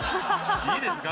いいですか？